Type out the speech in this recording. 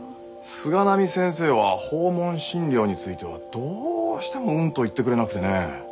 菅波先生は訪問診療についてはどうしても「うん」と言ってくれなくてね。